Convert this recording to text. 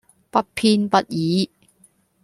不偏不倚